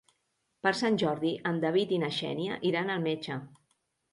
Per Sant Jordi en David i na Xènia iran al metge.